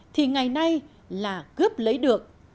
thì ngày nay là cướp lấy được